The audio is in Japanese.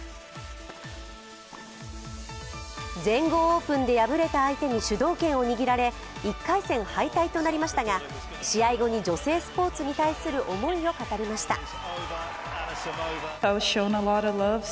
全豪オープンで敗れた相手に主導権を握られ１回戦敗退となりましたが試合後に女性スポーツに対する思いを語りました。